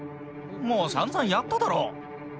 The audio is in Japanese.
もうさんざんやっただろ？